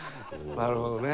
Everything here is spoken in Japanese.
なるほどね。